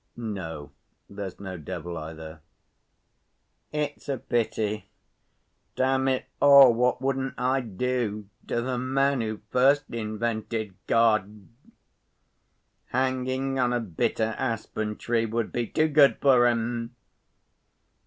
"No, there's no devil either." "It's a pity. Damn it all, what wouldn't I do to the man who first invented God! Hanging on a bitter aspen tree would be too good for him."